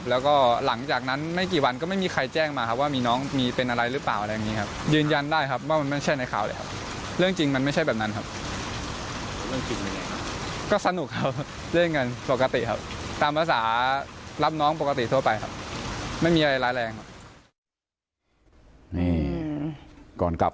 เล่นกันปกติครับตามภาษารับน้องปกติทั่วไปครับ